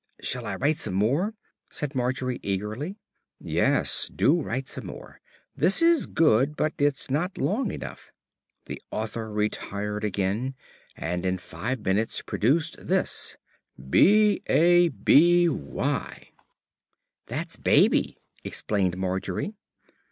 "Shall I write some more?" said Margery eagerly. "Yes, do write some more. This is good, but it's not long enough." The author retired again, and in five minutes produced this: B A B Y "That's 'baby,'" explained Margery.